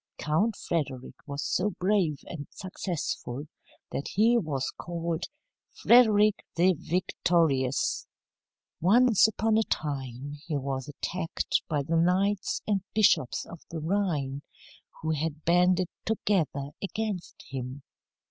Count Frederick was so brave and successful that he was called "Frederick the Victorious." Once upon a time he was attacked by the knights and bishops of the Rhine, who had banded together against him.